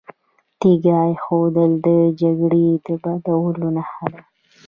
تیږه ایښودل د جګړې د بندولو نښه ده.